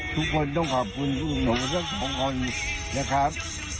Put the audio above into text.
ทุกคนต้องขอบคุณสองคนนะครับ